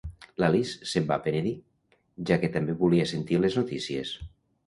L'Alice se'n va penedir, ja que també volia sentir les notícies.